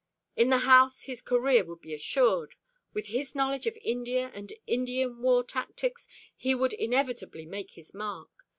In the House his career would be assured. With his knowledge of India and Indian war tactics, he would inevitably make his mark.